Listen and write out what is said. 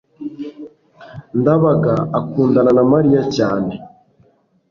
ndabaga akundana na mariya cyane